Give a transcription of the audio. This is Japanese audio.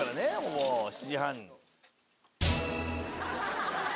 もう７時半に。